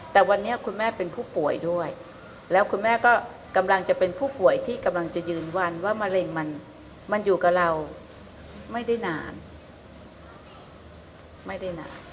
แต่วันนี้คุณแม่เป็นผู้ป่วยด้วยแล้วคุณแม่ก็กำลังจะเป็นผู้ป่วยที่กำลังจะยืนยันว่ามะเร็งมันอยู่กับเราไม่ได้นานไม่ได้นาน